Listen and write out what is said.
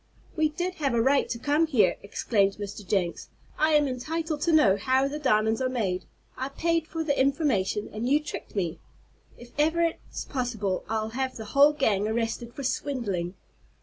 "We did have a right to come here!" exclaimed Mr. Jenks. "I am entitled to know how the diamonds are made. I paid for the information, and you tricked me. If ever it's possible I'll have the whole gang arrested for swindling."